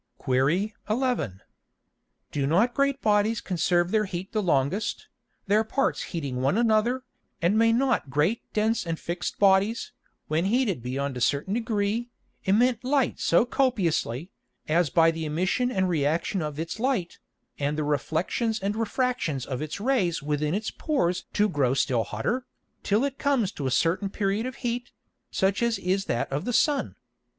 Qu. 11. Do not great Bodies conserve their heat the longest, their parts heating one another, and may not great dense and fix'd Bodies, when heated beyond a certain degree, emit Light so copiously, as by the Emission and Re action of its Light, and the Reflexions and Refractions of its Rays within its Pores to grow still hotter, till it comes to a certain period of heat, such as is that of the Sun?